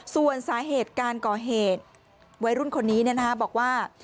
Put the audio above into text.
ส่วนสาเหตุการก่อเหตุวัยรุ่นคนนี้บอกว่า